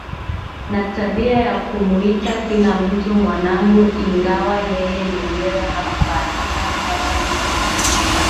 na tabia ya kumwita kila mtu mwanangu ingawa yeye mwenyewe hakubahatika kupata mtoto Katika